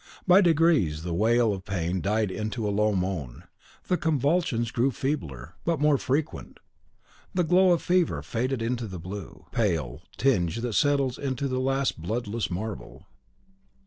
By degrees the wail of pain died into a low moan, the convulsions grew feebler, but more frequent; the glow of fever faded into the blue, pale tinge that settles into the last bloodless marble.